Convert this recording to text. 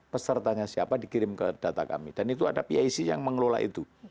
pesertanya siapa dikirim ke data kami dan itu ada pic yang mengelola itu